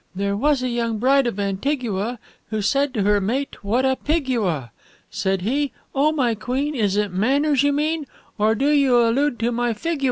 There was a young bride of Antigua, who said to her mate, 'What a pig you are!' Said he, 'Oh, my queen, is it manners you mean, or do you allude to my fig u ar?'